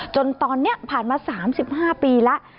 จนตอนนี้ผ่านมา๓๕ปีแล้ว